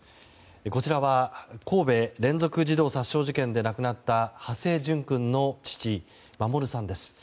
こちらは神戸連続児童殺傷事件で亡くなった土師淳君の父・守さんです。